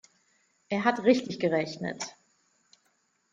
Er hat richtig gerechnet.